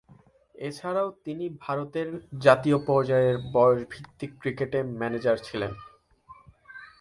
এছাড়াও তিনি ভারতের জাতীয় পর্যায়ের বয়সভিত্তিক ক্রিকেটে ম্যানেজার ছিলেন।